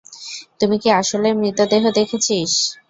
তুই কি আসলেই মৃতদেহ দেখেছিস?